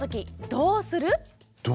どうする。